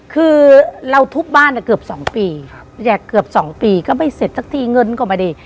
คือเราทุบบ้านเกือบ๒ปีแจกเกือบ๒ปีก็ไม่เสร็จสักทีเงินก็ไม่ได้